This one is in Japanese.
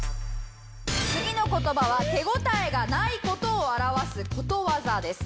次の言葉は手応えがない事を表すことわざです。